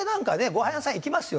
ごはん屋さん行きますよ。